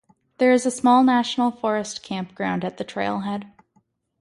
There is a small National Forest campground at the trailhead.